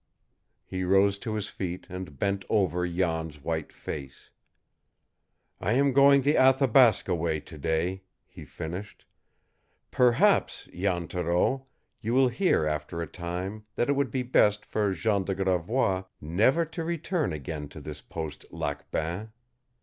He rose to his feet and bent over Jan's white face. "I am going the Athabasca way to day," he finished. "Perhaps, Jan Thoreau, you will hear after a time that it would be best for Jean de Gravois never to return again to this Post Lac Bain.